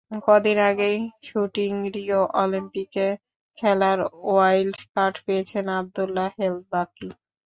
কদিন আগেই শ্যুটিং থেকে রিও অলিম্পিকে খেলার ওয়াইল্ড কার্ড পেয়েছেন আবদুল্লাহ হেল বাকি।